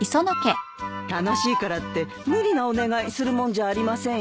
楽しいからって無理なお願いするもんじゃありませんよ。